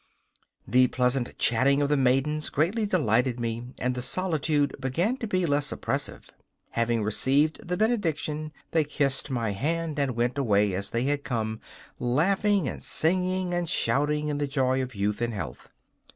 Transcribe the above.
The pleasant chatting of the maidens greatly delighted me, and the solitude began to be less oppressive. Having received the benediction, they kissed my hand and went away as they had come, laughing, singing and shouting in the joy of youth and health.